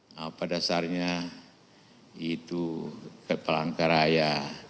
nah pada dasarnya itu ke palangkaraya